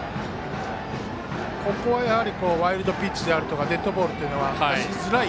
ここはワイルドピッチであるとかデッドボールは出しづらい。